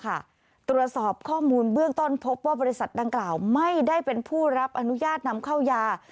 ตรวจสอบข้อมูลเบื้องต้นพบว่าบริษัทดังกล่าวไม่ได้เป็นผู้รับอนุญาตนำเข้ายา